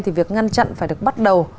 thì việc ngăn chặn phải được bắt đầu